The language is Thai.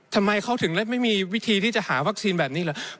ทำไมเขาถึงไม่มีวิธีที่จะหาวัคซีนแบบนี้เหรอ